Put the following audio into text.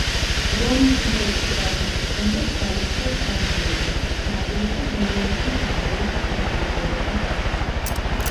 რომის იმპერიის დაცემის შემდეგ დაიპყრეს ვანდალებმა, ნაწილი კი ბიზანტიის იმპერიის შემადგენლობაში დარჩა.